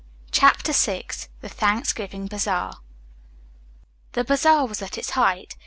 CHAPTER VI THE THANKSGIVING BAZAAR The bazaar was at its height.